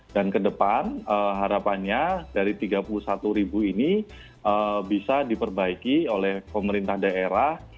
dan ke depan harapannya dari tiga puluh satu ribu ini bisa diperbaiki oleh pemerintah daerah